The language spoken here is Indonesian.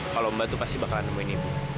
kalau mbak tuh pasti bakal nemuin ibu